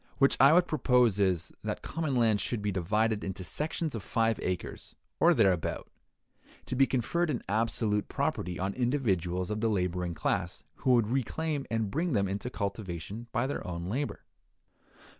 What I would propose is, that common land should be divided into sections of five acres or thereabout, to be conferred in absolute property on individuals of the laboring class who would reclaim and bring them into cultivation by their own labor.